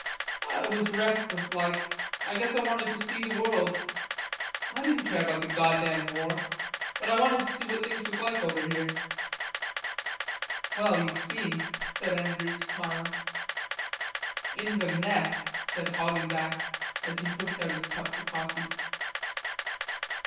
"I was restless like. I guess I wanted to see the world. I didn't care about the goddam war, but I wanted to see what things was like over here." "Well, you've seen," said Andrews, smiling. "In the neck," said Hoggenback, as he pushed out his cup for coffee.